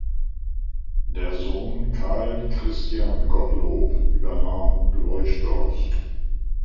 Der Sohn Carl Christian Gottlob übernahm Bloischdorf.